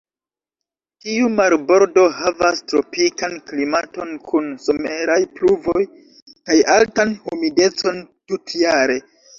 Tiu marbordo havas tropikan klimaton kun someraj pluvoj kaj altan humidecon tutjare.